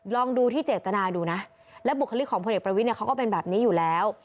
ลองดูที่เจตนาดูนะและบุคลิกของพลเอกประวิทย์เขาก็เป็นแบบนี้อยู่แล้ว